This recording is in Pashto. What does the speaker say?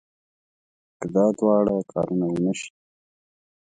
که دا دواړه کارونه ونه شي.